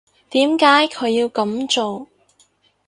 點解佢要噉做？